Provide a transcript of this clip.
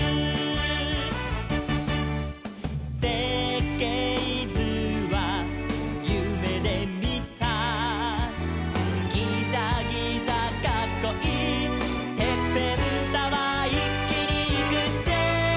「せっけいずはゆめでみた」「ギザギザかっこいいてっぺんタワー」「いっきにいくぜ」